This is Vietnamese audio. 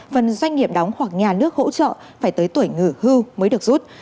phần doanh nghiệp đóng hoặc nhà nước hỗ trợ phải tới tuổi nghỉ hưu mới được rút